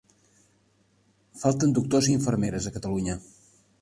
Falten doctors i infermeres a Catalunya.